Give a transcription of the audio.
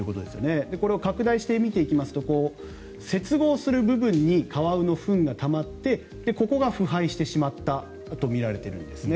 これを拡大して見ていきますと接合する部分にカワウのフンがたまってここが腐敗してしまったとみられているんですね。